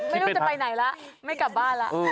ไม่รู้จะไปไหนละไม่กลับบ้านละ